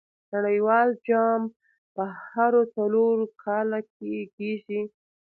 نړۍوال جام په هرو څلور کاله کښي کیږي.